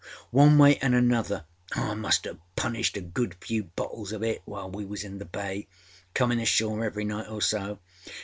One way anâ another I must âave punished a good few bottles of it while we was in the bayâcominâ ashore every night or so.